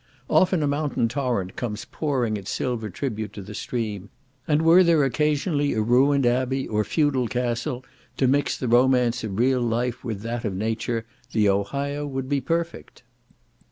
Often a mountain torrent comes pouring its silver tribute to the stream, and were there occasionally a ruined abbey, or feudal castle, to mix the romance of real life with that of nature, the Ohio would be perfect.